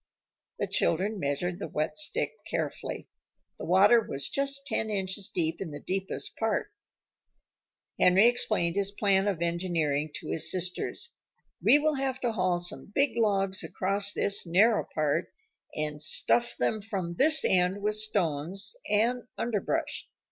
The children measured the wet stick carefully. The water was just ten inches deep in the deepest part. Henry explained his plan of engineering to his sisters. "We will have to haul some big logs across this narrow part and stuff them from this end with stones and underbrush.